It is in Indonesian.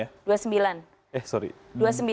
dua puluh sembilan jadinya lima puluh satu